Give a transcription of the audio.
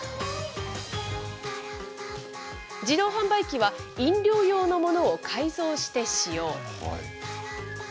自動販売機は飲料用のものを改造して使用。